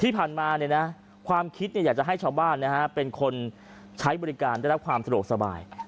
ที่ผ่านมาความคิดอยากจะให้ชาวบ้านเป็นคนใช้บริการได้รับความสะดวกสบาย